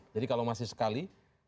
jadi kalau masih sekali